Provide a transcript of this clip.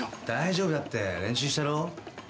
「大丈夫だって練習したろ」